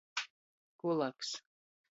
Kulaks.